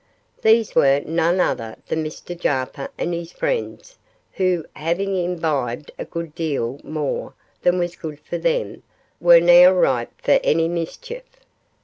These were none other than Mr Jarper and his friends, who, having imbibed a good deal more than was good for them, were now ripe for any mischief.